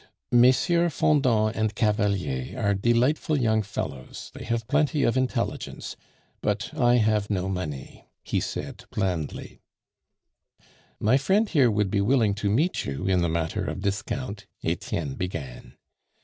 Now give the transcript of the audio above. "MM Fendant and Cavalier are delightful young fellows; they have plenty of intelligence; but, I have no money," he said blandly. "My friend here would be willing to meet you in the matter of discount " Etienne began.